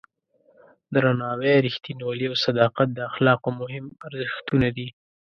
درناوی، رښتینولي او صداقت د اخلاقو مهم ارزښتونه دي.